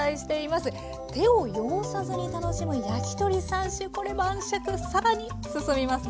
手を汚さずに楽しむ焼き鳥３種これ晩酌更に進みます。